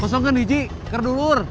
kosongkan diji ker dulur